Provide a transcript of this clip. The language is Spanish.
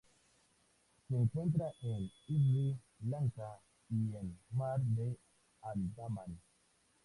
Se encuentra en Sri Lanka y en el Mar de Andamán.